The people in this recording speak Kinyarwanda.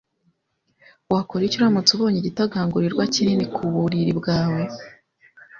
Wakora iki uramutse ubonye igitagangurirwa kinini ku buriri bwawe